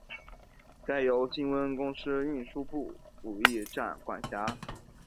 该站由金温公司运输部武义站管辖。